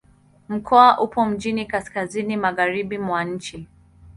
Mkoa upo mjini kaskazini-magharibi mwa nchi.